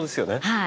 はい。